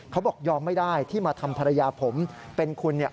เขาบอกยอมไม่ได้ที่มาทำภรรยาผมเป็นคุณเนี่ย